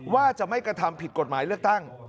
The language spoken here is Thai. ว่าจะไม่กระทำผิดกฎหมายเลือกตั้ง